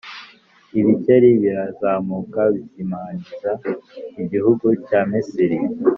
ibikeri birazamuka bizimagiza igihugu cya misiri